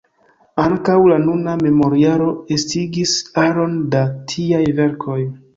Ankaŭ la nuna memorjaro estigis aron da tiaj verkoj.